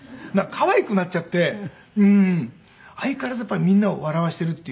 可愛くなっちゃってうん。相変わらずやっぱりみんなを笑わせているっていう。